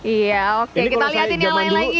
iya oke kita lihat ini yang lain lagi